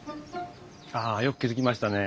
ああよく気付きましたね。